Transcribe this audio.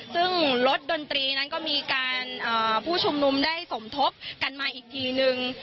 ซึ่งรถดนตรีนั้นก็มีการผู้ชุมนุมได้สมทบกันมาอีกทีนึง